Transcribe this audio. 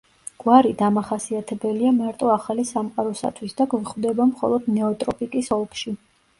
გვარი დამახასიათებელია მარტო ახალი სამყაროსათვის და გვხვდება მხოლოდ ნეოტროპიკის ოლქში.